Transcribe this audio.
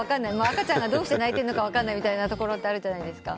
赤ちゃんがどうして泣いてんのか分かんないみたいなところあるじゃないですか。